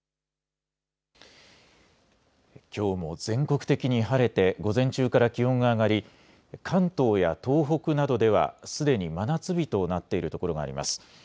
きょうも全国的に晴れて午前中から気温が上がり関東や東北などではすでに真夏日となっているところがあります。